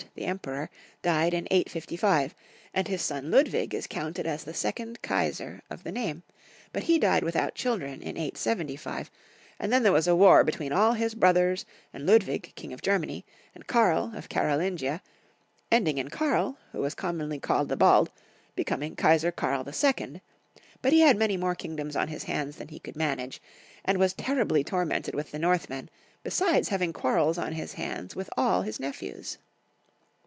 the Emperor, died in 855, and his son Ludwig is counted as the second Kaisar of the name, but he died without children, in 875, and then there was a war between all his brothers and Ludwig, King of Germany, and Karl, of Karolingia ; ending in Karl, who was commonly called the Bald, becoming Kaisaf Karl II. ; but he had many more kingdoms on his hands than he could manage, and was terribly tormented with the Northmen, besides having quarrels on his hands with all his nephews.